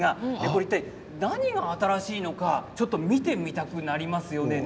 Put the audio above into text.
いったい何が新しいのかちょっと見てみたくなりますよね。